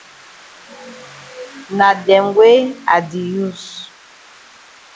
Na dem wey I di use.